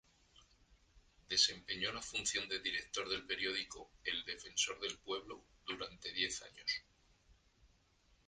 Desempeñó la función de Director del periódico "El Defensor del Pueblo" durante diez años.